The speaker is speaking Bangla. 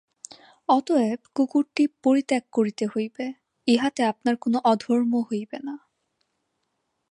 অতএব কুকুরটি পরিত্যাগ করিতে হইবে, ইহাতে আপনার কোন অধর্ম হইবে না।